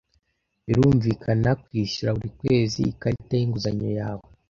Birumvikana kwishyura buri kwezi ikarita yinguzanyo yawe.